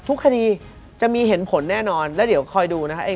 ทุกคดีจะมีเหตุผลแน่นอนแล้วเดี๋ยวคอยดูนะครับ